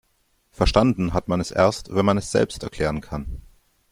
Verstanden hat man es erst, wenn man es selbst erklären kann.